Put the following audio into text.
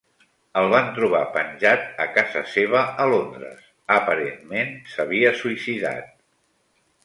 El van trobar penjat a casa seva a Londres, aparentment s'havia suïcidat.